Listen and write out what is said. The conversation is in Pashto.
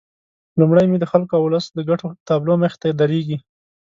لومړی مې د خلکو او ولس د ګټو تابلو مخې ته درېږي.